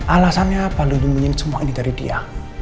alasannya apa lu nyembunyiin semua ini dari dia